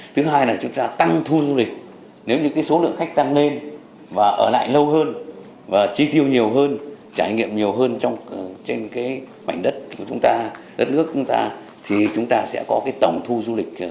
thứ hai là chúng ta tăng thu du lịch nếu số lượng khách tăng lên và ở lại lâu hơn chi tiêu nhiều hơn trải nghiệm nhiều hơn trên mảnh đất nước chúng ta thì chúng ta sẽ có tổng thu du lịch nhiều hơn